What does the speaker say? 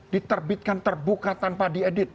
diterbitkan terbuka tanpa diedit